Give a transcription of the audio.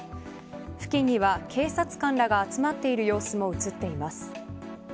付近には警察官らが集まってる様子も写っています